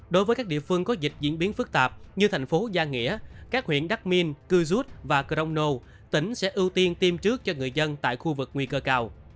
đối với các địa phương có dịch diễn biến phức tạp như thành phố giang nghĩa các huyện đắc minh cư rút và crono tỉnh sẽ ưu tiên tiêm trước cho người dân tại khu vực nguy cơ cao